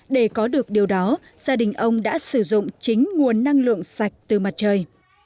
để có được điều đó gia đình ông đã sử dụng chính nguồn năng lượng sạch từ mặt trời